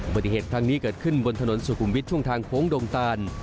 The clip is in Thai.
ปฏิเหตุทางนี้เกิดขึ้นบนถนนสุขุมวิทย์ช่วงทางโค้งดงตาน